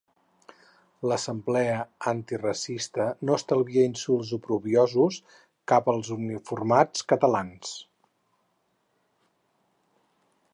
L'assemblea antiracista no estalvia insults oprobiosos cap als uniformats catalans.